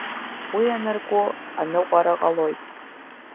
Уи анарку, аныҟәара ҟалоит.